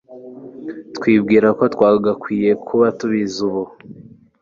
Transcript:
twibwira ko twagakwiye kuba tubizi ubu